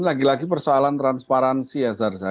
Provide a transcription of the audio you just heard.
ini lagi lagi persoalan transparansi ya zarza